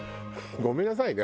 ごめんなさいね